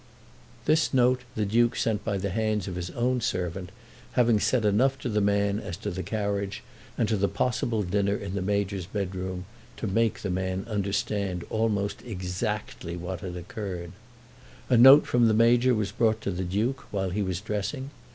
This note the Duke sent by the hands of his own servant, having said enough to the man as to the carriage and the possible dinner in the Major's bedroom, to make the man understand almost exactly what had occurred. A note from the Major was brought to the Duke while he was dressing.